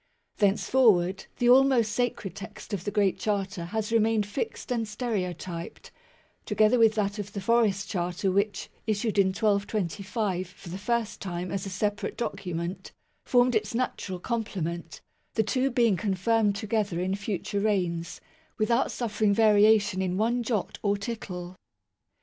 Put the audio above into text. Thenceforward the almost sacred text of the Great Charter has remained fixed and stereotyped, together with that of the Forest Charter which, issued in 1225 for the first time as a separate document, formed its natural complement, the two being confirmed together in future reigns, without suffering variation in one jot or tittle.